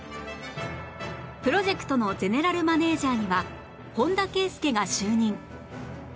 プロジェクトのゼネラルマネージャーには本田圭佑が就任